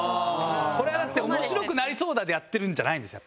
これはだって「面白くなりそうだ」でやってるんじゃないんですよ。